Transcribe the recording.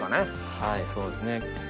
はいそうですね。